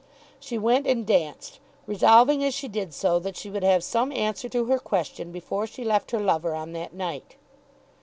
She went and danced, resolving as she did so that she would have some answer to her question before she left her lover on that night.